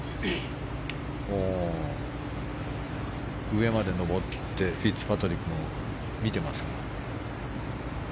上まで上ってフィッツパトリックも見てますが。